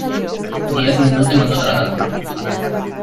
Ni ez ninduten ondo tratatu.